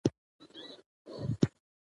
احمدشاه بابا د افغان میراث ساتونکی و.